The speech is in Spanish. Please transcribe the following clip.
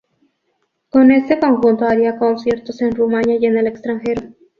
Con este conjunto haría conciertos en Rumania y en el extranjero.